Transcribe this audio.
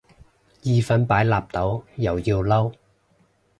意粉擺納豆又要嬲